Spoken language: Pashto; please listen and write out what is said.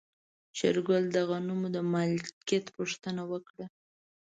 شېرګل د غنمو د مالکيت پوښتنه وکړه.